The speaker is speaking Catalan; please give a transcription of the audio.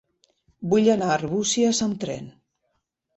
Vull anar a Arbúcies amb tren.